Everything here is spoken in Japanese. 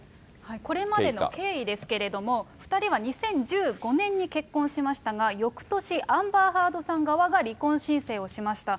これまでの経緯ですけれども、２人は２０１５年に結婚しましたが、よくとし、アンバー・ハードさん側が離婚申請をしました。